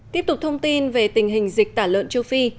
tiếp tục thông tin về tình hình dịch tả lợn châu phi